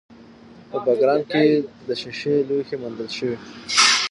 په بګرام کې د ښیښې لوښي موندل شوي